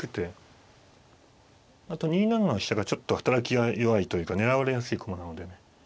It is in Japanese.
あと２七の飛車がちょっと働きが弱いというか狙われやすい駒なのでね